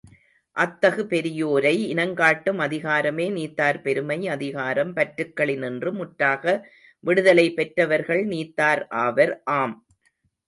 அத்தகு பெரியோரை இனங்காட்டும் அதிகாரமே, நீத்தார் பெருமை அதிகாரம் பற்றுக்களினின்று முற்றாக விடுதலை பெற்றவர்கள் நீத்தார் ஆவர். ஆம்!